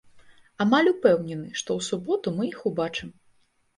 Амаль упэўнены, што у суботу мы іх убачым.